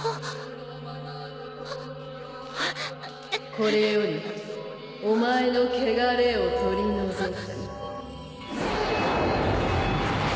・これよりお前の穢れを取り除く。